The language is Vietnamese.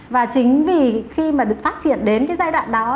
và chính vì khi mà được phát triển đến cái giai đoạn đó